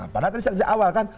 padahal tadi saya kejar awal kan